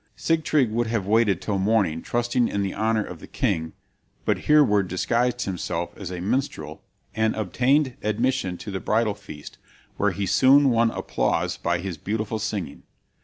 Sigtryg would have waited till morning, trusting in the honor of the king, but Hereward disguised himself as a minstrel and obtained admission to the bridal feast, where he soon won applause by his beautiful singing.